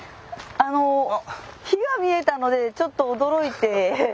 あの火が見えたのでちょっと驚いて。